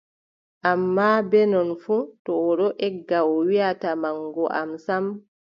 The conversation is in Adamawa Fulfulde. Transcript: Ammaa, bee non fuu, to o ɗon egga, o yiʼataa maŋgu am sam,